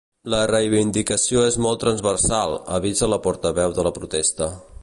La reivindicació és molt transversal, avisa la portaveu de la protesta.